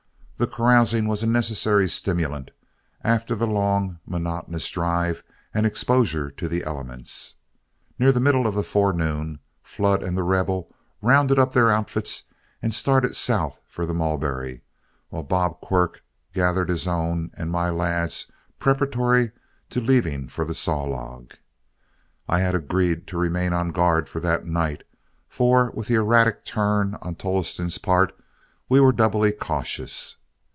The carousing was a necessary stimulant after the long, monotonous drive and exposure to the elements. Near the middle of the forenoon, Flood and The Rebel rounded up their outfits and started south for the Mulberry, while Bob Quirk gathered his own and my lads preparatory to leaving for the Saw Log. I had agreed to remain on guard for that night, for with the erratic turn on Tolleston's part, we were doubly cautious.